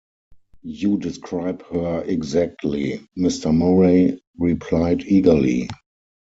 "You describe her exactly," Mr. Murray replied eagerly.